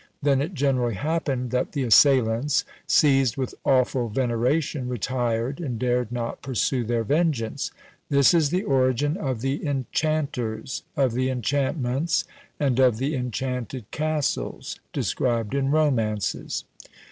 Then it generally happened that the assailants, seized with awful veneration, retired, and dared not pursue their vengeance. This is the origin of the enchanters, of the enchantments, and of the enchanted castles described in romances."